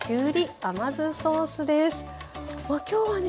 今日はね